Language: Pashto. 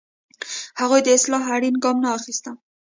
هغوی د اصلاح اړین ګام نه اخیسته.